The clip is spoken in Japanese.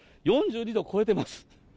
４２度超えてます。